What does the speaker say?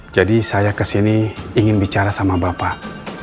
jadi saya ke sini ingin bicara sama bapak